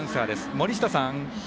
森下さん。